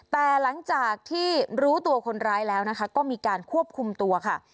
แต่หลังจากที่รู้ตัวคนร้ายแล้วนะคะก็มีการควบคุมตัวค่ะ